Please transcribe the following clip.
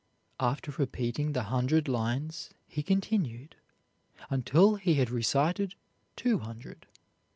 After repeating the hundred lines he continued until he had recited two hundred.